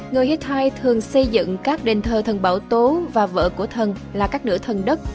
người hittai thường xây dựng các đền thờ thần bảo tố và vợ của thần là các nữ thần đất